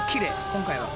今回は。